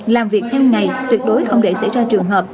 làm việc theo ngày tuyệt đối không để xảy ra trường hợp